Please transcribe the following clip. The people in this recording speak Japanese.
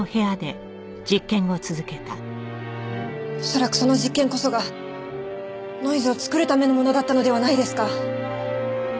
恐らくその実験こそがノイズを作るためのものだったのではないですか？